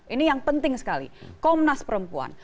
ini yang penting sekali komnas perempuan